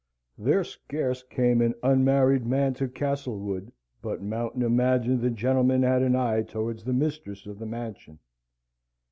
There scarce came an unmarried man to Castlewood but Mountain imagined the gentleman had an eye towards the mistress of the mansion.